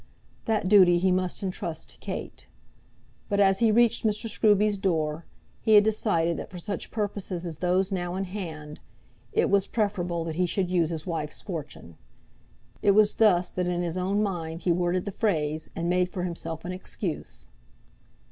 That duty he must entrust to Kate. But as he reached Mr. Scruby's door, he had decided that for such purposes as those now in hand, it was preferable that he should use his wife's fortune. It was thus that in his own mind he worded the phrase, and made for himself an excuse.